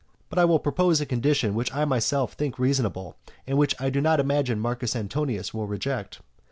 But I will propose a condition which I myself think reasonable, and which I do not imagine Marcus Antonius will reject.